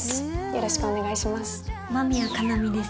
よろしくお願いします。